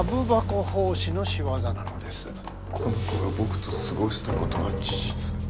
この子が僕と過ごしたことは事実。